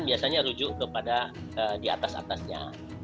biasanya rujuk kepada di atas atasnya